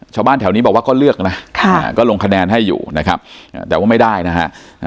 ชาวบ้านแถวนี้บอกว่าก็เลือกนะก็ลงคะแนนให้อยู่นะครับแต่ว่าไม่ได้นะฮะ